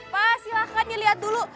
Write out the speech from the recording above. pak silahkan dilihat dulu